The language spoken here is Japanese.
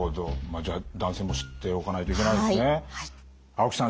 まあじゃあ男性も知っておかないといけないですね。